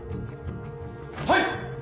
はい！